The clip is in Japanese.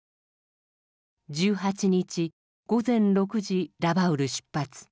「１８日午前６時ラバウル出発。